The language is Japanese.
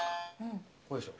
これでしょ。